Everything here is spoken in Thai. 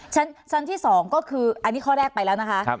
ชั้นชั้นที่สองก็คืออันนี้ข้อแรกไปแล้วนะคะครับ